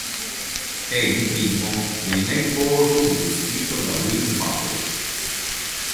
È il primo dei "Neighborhood," scritto da Win Butler.